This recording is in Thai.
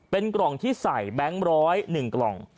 เป็นกล่องที่ใส่แบงค์๑๐๑กล่อง